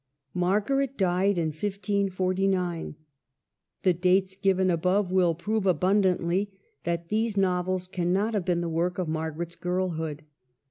Margaret died in 1549. The dates given above will prove abundantly that these novels cannot have been the work of Margaret's girlhood.